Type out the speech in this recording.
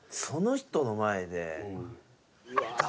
その人の前で。